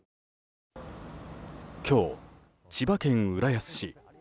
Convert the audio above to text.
今日、千葉県浦安市。